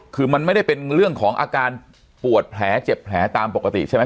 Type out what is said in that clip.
คือมันไม่ได้เป็นเรื่องของอาการปวดแผลเจ็บแผลตามปกติใช่ไหม